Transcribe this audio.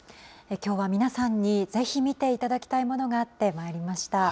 きょうは皆さんに、ぜひ見ていただきたいものがあってまいりました。